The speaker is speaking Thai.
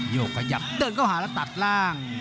กขยับเดินเข้าหาแล้วตัดล่าง